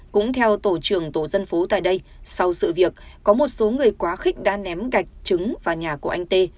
cũng theo tổ trưởng tổ dân phố tại đây sau sự việc có một số người quá khích đã ném gạch trứng vào nhà của anh tê